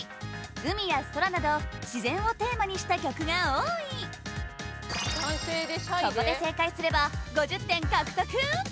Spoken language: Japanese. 海や空など自然をテーマにした曲が多いここで正解すれば５０点獲得！